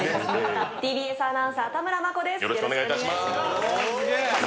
ＴＢＳアナウンサー・田村真子です。